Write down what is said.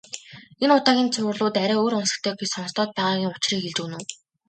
Энэ удаагийн цувралууд арай өөр онцлогтой гэж сонстоод байгаагийн учрыг хэлж өгнө үү.